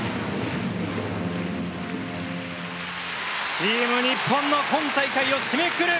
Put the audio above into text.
チーム日本の今大会を締めくくる